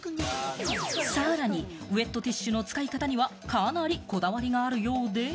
さらにウエットティシュの使い方には、かなりこだわりがあるようで。